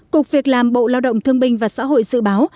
cục việc làm bộ lao động thương binh và xã hội dự báo